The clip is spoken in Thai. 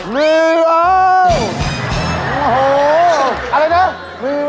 มีแล้ว